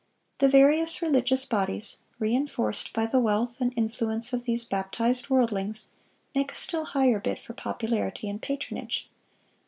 The various religious bodies, re enforced by the wealth and influence of these baptized worldlings, make a still higher bid for popularity and patronage.